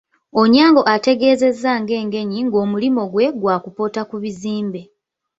Onyango ategeezezza nga Engenyi ng'omulimu gwe gwa kupoota ku bizimbe.